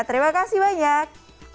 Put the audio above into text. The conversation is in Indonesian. terima kasih banyak